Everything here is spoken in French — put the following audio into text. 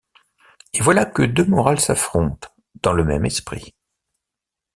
Et voilà que deux morales s'affrontent dans le même esprit.